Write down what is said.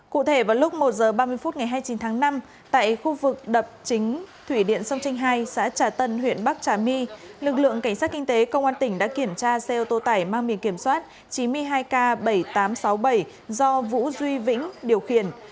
cụ thể vào lúc một h ba mươi phút ngày hai mươi chín tháng năm tại khu vực đập chính thủy điện sông tranh hai xã trà tân huyện bắc trà my lực lượng cảnh sát kinh tế công an tỉnh đã kiểm tra xe ô tô tải mang biển kiểm soát chín mươi hai k bảy nghìn tám trăm sáu mươi bảy do vũ duy vĩnh điều khiển